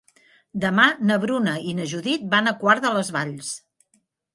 Demà na Bruna i na Judit van a Quart de les Valls.